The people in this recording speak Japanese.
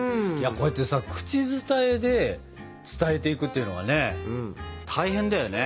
こうやってさ口伝えで伝えていくっていうのがね大変だよね。